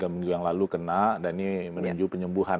tiga minggu yang lalu kena dan ini menuju penyembuhan